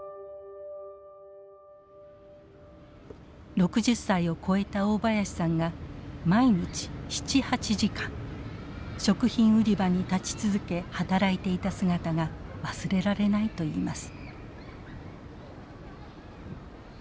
６０歳を超えた大林さんが毎日７８時間食品売り場に立ち続け働いていた姿が忘れられないといいます。